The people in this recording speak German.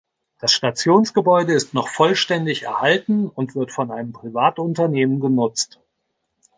Das Stationsgebäude ist noch vollständig erhalten und wird von einem Privatunternehmen genutzt.